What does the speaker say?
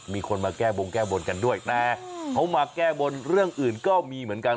มีคนมาแก้บงแก้บนกันด้วยแต่เขามาแก้บนเรื่องอื่นก็มีเหมือนกัน